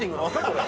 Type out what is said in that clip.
これ。